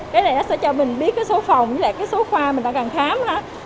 cái này sẽ cho mình biết số phòng với lại số khoa mình đang càng khám